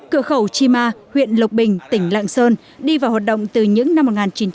cửa khẩu chima huyện lộc bình tỉnh lạng sơn đi vào hoạt động từ những năm một nghìn chín trăm chín mươi